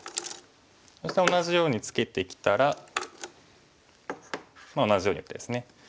そして同じようにツケてきたら同じように打ってですね。